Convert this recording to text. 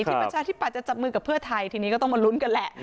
ประชาธิปัตยจะจับมือกับเพื่อไทยทีนี้ก็ต้องมาลุ้นกันแหละ